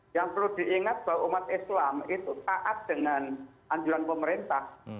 yang perlu diingat bahwa umat islam itu taat dengan anjuran pemerintah